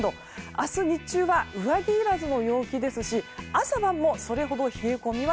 明日日中は上着いらずの陽気ですし朝晩もそれほど冷え込みは